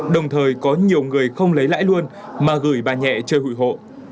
đồng thời có nhiều người không lấy lãi luôn mà gửi bà nhẹ chơi hụi hộ